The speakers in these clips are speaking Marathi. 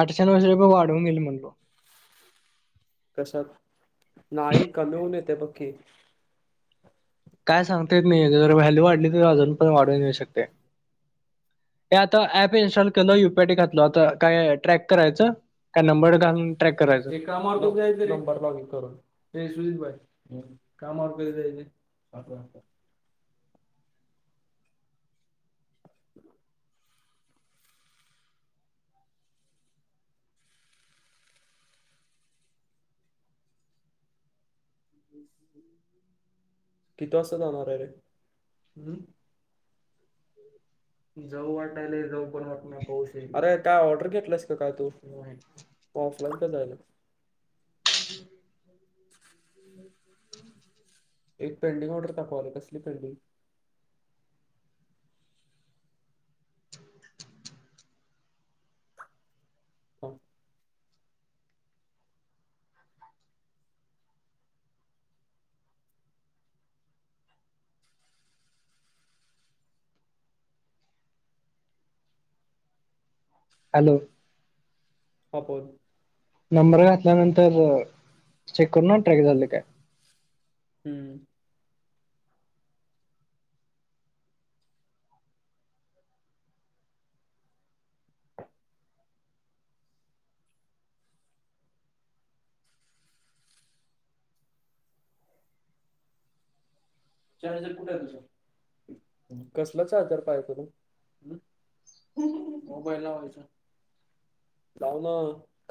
आठशेन नवशे रुपये वाढवून घेईन म्हणलो. कशात? नाही कमी होऊन येतय. बघ की, काय सांगता येत नाही, जर व्हॅल्यू वाढली तर, अजून पण वाढवून येऊ शकते. ते आता ऍप इन्स्टॉल केल. U P I I D घातलं. आता काय ट्रॅक करायचं? काय नंबर घालून ट्रॅक करायच? हे नंबर लॉगिन करून. आठ वाजता. हॅलो. किती वाजता जाणार हाय रे? हम्म. जाऊ वाटायलय, जाऊ पण वाटना नाही पाऊश ये. अरे काय ऑर्डर घेतलास काय तू? ऑफलाईन का झालं? एक पेंडिंग ऑर्डर दाखवालय, कसली पेंडिंग? हो. हॅलो. हा बोल. नंबर घातल्यानंतर चेक करू ना? ट्रॅक झालय काय? हं. चार्जर कुठे आहे तुझा? कसला चार्जर पाहे तूला. मोबाईल लावायचा. लाव ना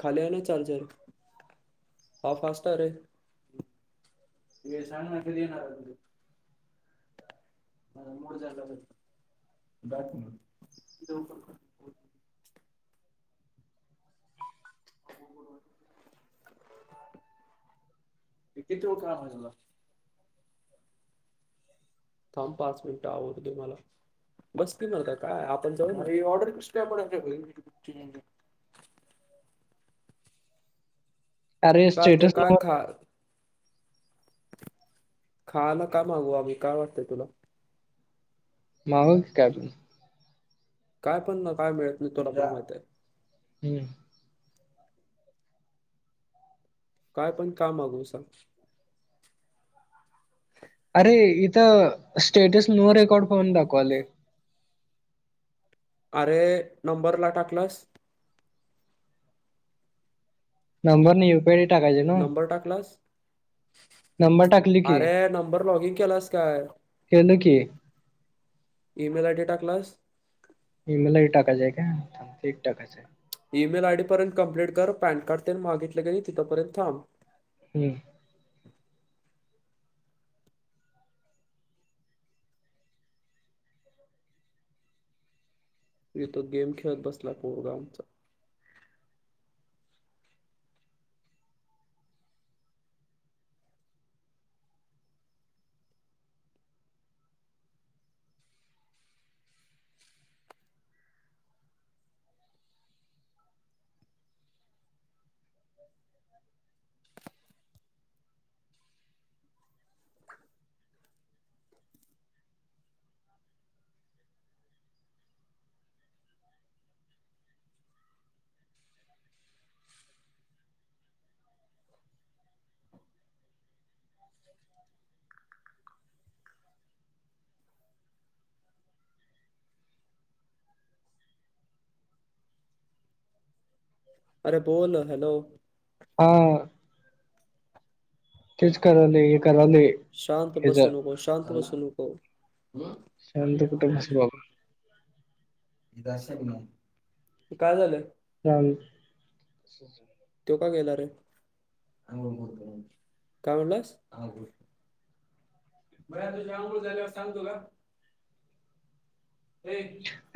खाली आहे ना चार्जर. हा फास्ट आहे रे. ते सांग ना कधी येणार ये म मुड झाला बग [unintelligible] किती ठेवू काम तुला. थांब पाच मिनिटं आवरतो मला. बस की म आता काय, आपण जाऊ माझी ऑर्डर कसली आहे. आपण आमच्या घरी अरे कार ते स्टेटस काय [unintelligible] खा खायला काय मागवू आम्ही? काय वाटतंय तुला? मागव की कायपणं? काय पण ना काय मिळत नाही. तुला पण माहिती हाय. हुं. काय पण काय मागवू सांग? अरे इथं स्टेटस नो रेकॉर्ड फोन दाखवालय. अरे नंबरला टाकलास? नंबर नाही यू पी आय नंबर टाकलास? नंबर टाकली की अरे नंबर लॉगिंग केलास काय? केलोय की इ मेल आय डी टाकलास? ई मेल आय डी टाकाचय काय? एक टाक. ई मेल आय डी पर्यंत कम्प्लीट कर, पॅन कार्ड तेन मागितलं की, तिथपर्यंत थांब. हू. ये तो गेम खेळत बसला पोरगा आमचा. [inaudible] [inaudible] अरे बोल, हॅलो. हा. तेच करालोय, करालोय. शांत बसु नको, शांत बसू नको. शांत कुठे बसलो बाबा [inaudible] काय झालं? [inaudible] त्यो का गेला रे? आंघोळ करतो म्हनला. काय म्हणलास? आंघोळ भैय्या तुझी अंघोळ झाल्यावर सांगतो का? ए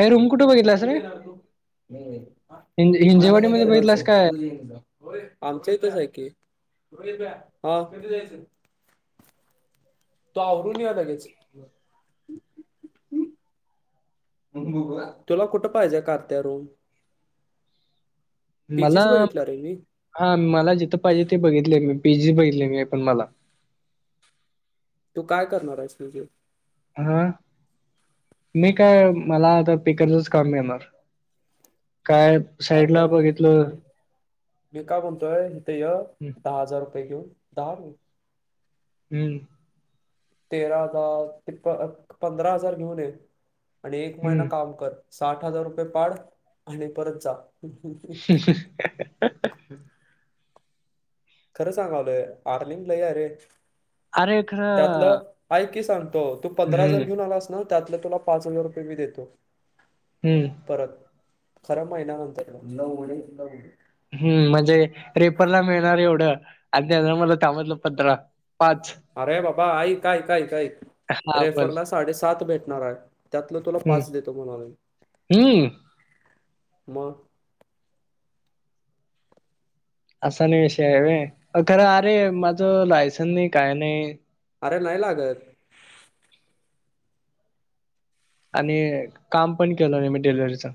अय रूम कुठे बघितलास कधी रे? येणार तू [inaudible] होय हिंज हिंजेवाडी मध्ये बघितलास काय आमच्या हीेतच आहे की वैभ्या हा कधी जायचं? तु आवरून य लगेच तुला कुठं पाहिजे कारत्या रूम? मला पीजीच बघितला रे मी हा मला जिथं पाहिजे ते बघितले मी पीजी बघितली मी पण मला तू काय करणार आहेस म्हणजे? हा मी काय मला आता पीकरचच काम मिळणार काय सारख्या साइडला मी बघितलं मी काय म्हणतोय हितं य दहा हजार रुपये घेऊन दहा नई हम्म तेरा दहा ते पंधरा हजार घेऊन ये आणि एक महिना हम्म काम कर साठ हजार रुपये पाड आणि परत जा [unintelligible] खरं सांगायोलय आर्निंग लय आहे रे अरे त्यातलं खरं आईक की सांगतो तू पंधरा हम्म हजार घेऊन आलास ना त्यातलं तुला पाच हजार रुपये मी देतो हम्म परत खऱ महिन्यानंतर न हम्म म्हणजे रेफरला मिळणार एवढं आणि त्यात मला दहा मधलं पंधरा पाच अरे बाबा आईक, आईक, आईक, आईक हा बोल रेफरला साडेसात भेटणार आहे त्यातलं तुला हम्म पाच देतो म्हणालोय मी हम्म मग? असा अनी विषय आहे होय खरं अरे माझं लायसन नाही काय नाही आरे नाही लागत आणि काम पण केलो नाही मी डिलवरीचं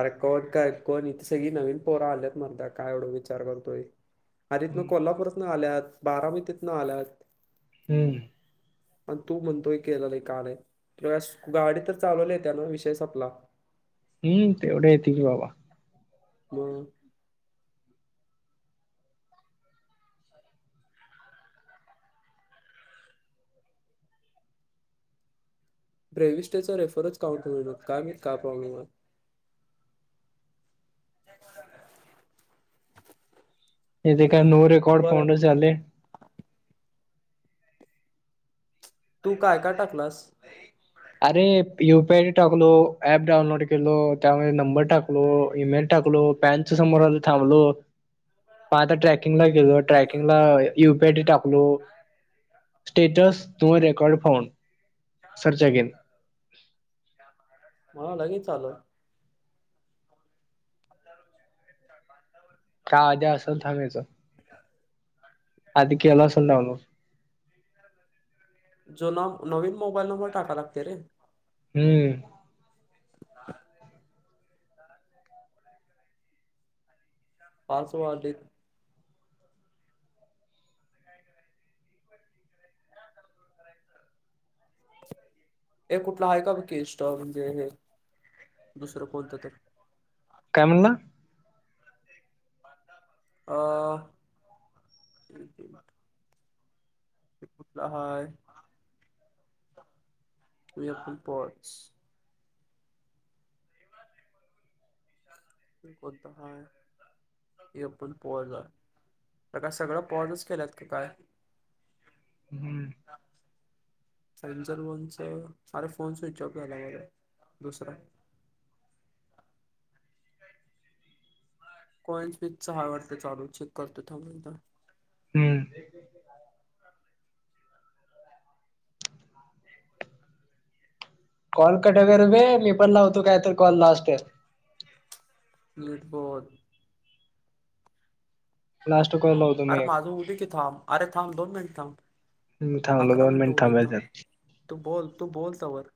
अरे कोण काय कोण इथे सगळी नवीन पोर आल्यात मरदा काय एवढं विचार करतोय? आरे इथनं हम्म कोल्हापूरातनं आल्यात, बारामतीतनं आल्यात हम्म अन तु म्हणतोय केलं नाही का नाही तुला गाडी तर चालवल्या यती न विषय संपला हम्म तेवढे येतं की बाबा मग प्रेविष्टचा चा रिफ्रेन्स काउंट होईल काय माहित काय प्रॉब्लेम आहे? [unintelligible] इथे काय नो रेकॉर्ड वय फाउंडच यायलय तू काय, काय टाकलास? अरे यूपीआयडी टाकलो, ऍप डाऊनलोड केलो, त्यामध्ये नंबर टाकलो, ई-मेल टाकलो पॅनच समोर आलं थांबलो म आता ट्रॅकिंग ला गेलो ट्रॅकिंगला युपीआयडी टाकलो status no record found search again मला लगेच आलं. आता रोज एक का आधी असंच थांबायचं? [inaudible] आधी केलं असेल डाउनलोड. जुना, नवीन मोबाईल नंबर टाका लागतय रे. हम्म. [inaudible] पाच वाजलेत. हे कुठलं आहे का बघकी इंस्टॉल म्हणजे हे, दुसरं कोणतं तर. काय म्हणला? अं कुटलं हाय? हे पण पॉस ते कोणतं हाय? हे पण पाॅझ, लका सगळं पाॅझच केल्यात का काय? हम्म. सॅमसंग फोनच, अरे फोन स्विच ऑफ झालायं माझा दुसरा. कॉइन्स बीचच हाय वाटतं चालू, चेक करतो थांब एकदा. हम्म. कॉल कट कर बे, मी पण लावतो कायतर कॉल लास्ट. नीट बोल. लास्ट काॅल लाव आर माझं हूऊदे की थांब, अरे थांब दोन मिनिटं थांब. हम्म थांबलो अकरा दोन मिनिटं मिनिट हूऊ देत थांब, थांबायचं तू बोल तू बोल तवर.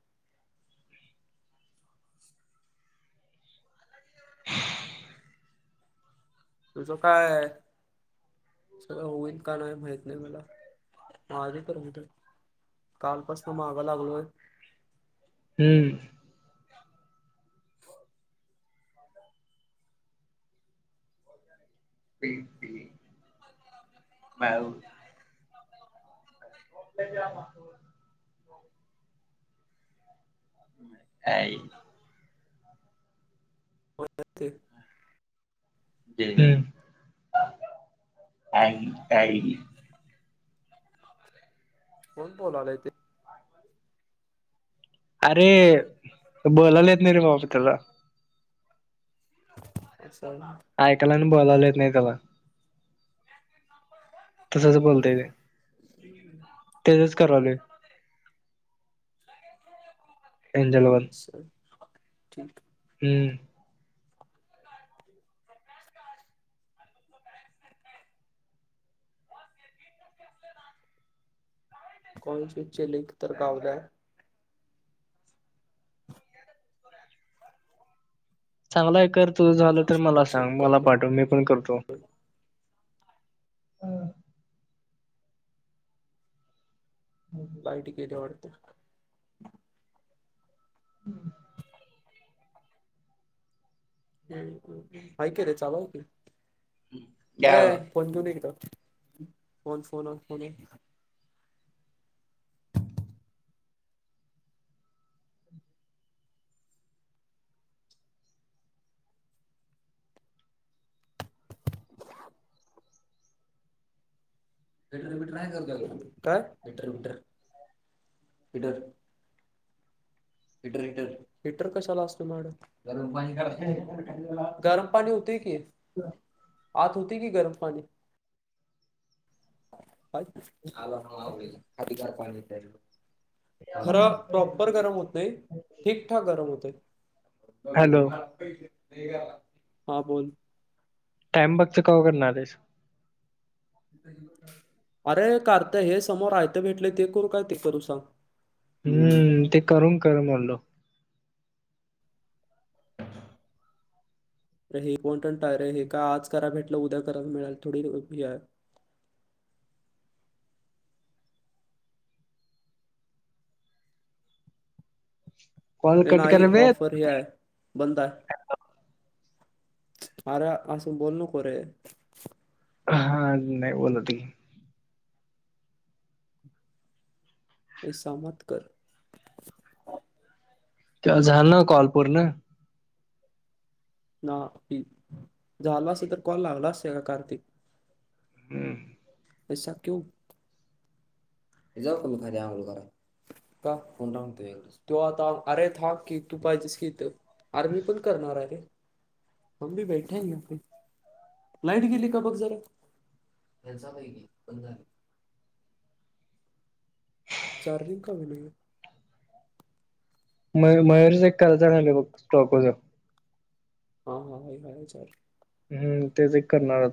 तुझं काय हाय? सगळं होईल का नाही माहित नाही मला, माझं तर होऊदे. कालपसनं म्हागं लागलोय. हम्म. तेच ते [unintelligible] [unintelligible] हाय [unintelligible] काही काही कोण बोलायलय ते? अरे, बोलायला येत नाही रे बाबा त्याला. असंय वय! ऐकाला आणि बोलायला येत नाही त्याला. तसंच बोलतंय ते. हम्म्म हम्म. त्यजच करालोय. एंजल वन चल ठीक ये. हम्म. [unintelligible] ब [unintelligible] कोणशी चि लिंक तर घावल्या [inaudible] चांगलाय कर झालं तर जस्ट मला चेक सांग मला करतो पाठव मी पण करतो हं लाईट गेली वाडत [inaudible] हाइ कि रे चालुए की प एकदा फोन फोन आन इकड हेटर मीटर मी ट्राय करत काय heater meter heater heater heater कशाला असतो मॅडम गरम पाणी हुतय की ह आत हुतय की गरम पाणी [unintelligible] [unintelligible] [unintelligible] [unintelligible] खर प्रॉपर गरम होत नाइ ठीकठाक गरम होतय हॅलो हा बोल टाइबाच कवा करणारायस करू कारत हे समोर आयत भेटलंय हे करू काय ते करू सांग हम्म ते करून कर म्हडलो अ हे कोण पण टाय रे हे का आज करा भेटलं उद्या कराय मिळाल थोडी कॉल ए कट नाही कर बे ऑफर हे आय बंदाय अरे आस बोलु नको रे हा नइ बोल त घे असामत कर ते हा झाल न्हव काॅल पूर्ण ना इ झाला असंत कॉल लागला असता का कार्तिक हम्म एसा क्यू ह जाऊ का मी खाली आंघोळ करायला का तो आता अरे थां की तू पाहिजेस कि इथ आरे मी पण करणाराय रे हम भी बैठे हे याहीपेक्षा लाईट गिली काय ब जरा [unintelligible] [unintelligible] [unintelligible] चार्जिंग का विना हे मय मयूरच एक करायच राहील ब स्टॉपच हा हा हाय हाय सर हम्म तेज एक करणार